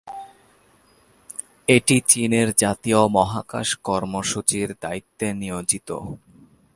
এটি চীনের জাতীয় মহাকাশ কর্মসূচির দায়িত্বে নিয়োজিত।